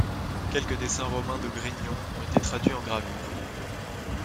Quelques dessins romains de Grignion ont été traduits en gravures.